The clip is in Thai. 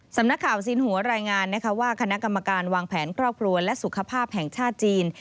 สำนักข่าวสินหัวรายงานนะคะว่าคณะกรรมการวางแผนครอบครัวและสุขภาพแห่งชาติจีน